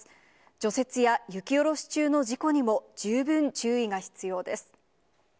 除雪や雪下ろし中の事故にも十分注意が必要です。